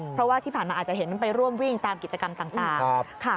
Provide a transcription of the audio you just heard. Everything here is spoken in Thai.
เพราะว่าที่ผ่านมาอาจจะเห็นมันไปร่วมวิ่งตามกิจกรรมต่าง